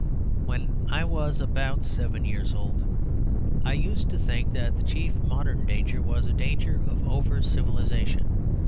When I was about seven years old I used to think that the chief modern danger was a danger of over civilisation.